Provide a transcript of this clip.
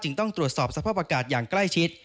ต้องตรวจสอบสภาพอากาศอย่างใกล้ชิด